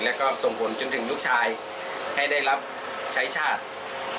แล้วก็ส่งผลจนถึงลูกชายให้ได้รับใช้ชาติ